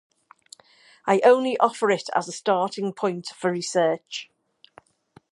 I only offer it as a starting-point for research.